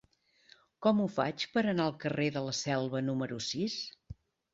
Com ho faig per anar al carrer de la Selva número sis?